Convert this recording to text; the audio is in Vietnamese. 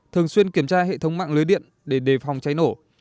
thường xuyên kiểm tra hệ thống mạng lưới điện để đề phòng cháy nổ